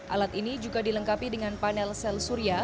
alat ini juga dilengkapi dengan panel sel surya